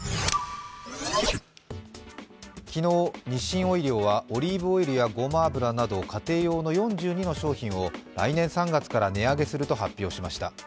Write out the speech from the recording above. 昨日、日清オイリオはオリーブオイルやごま油など家庭用の４２の商品を来年３月から値上げすると発表しました。